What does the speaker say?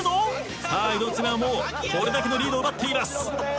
さあ猪爪はもうこれだけのリードを奪っています。